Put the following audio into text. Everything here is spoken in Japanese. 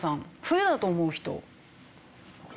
冬だと思う人。